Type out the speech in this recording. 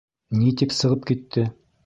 Ни тип сығып китте?